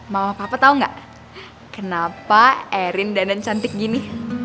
mama papa tau gak kenapa erin dandan cantik gini